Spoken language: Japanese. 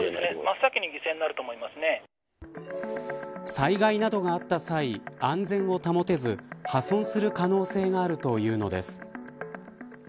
災害などがあった際安全を保てず破損する可能性があるというのです。